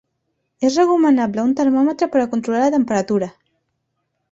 És recomanable un termòmetre per a controlar la temperatura.